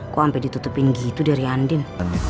kok hampir ditutupin gitu dari andin